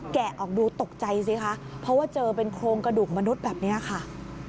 ออกดูตกใจสิคะเพราะว่าเจอเป็นโครงกระดูกมนุษย์แบบนี้ค่ะ